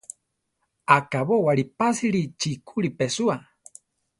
Akabówali pásiri chikúri pesúa.